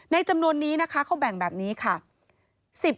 ในจำนวนนี้เขาแบ่งแบบนี้